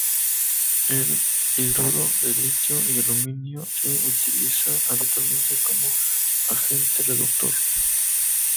El hidruro de litio y aluminio se utiliza habitualmente como agente reductor